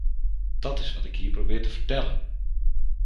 Dat is wat ik hier probeer te vertellen.